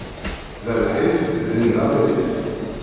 Da lḥif, din d aɣilif.